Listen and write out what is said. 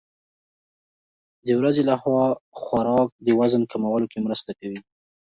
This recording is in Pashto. د ورځې لخوا خوراک د وزن کمولو کې مرسته کوي.